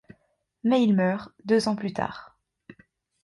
Mais il meurt deux ans plus tard.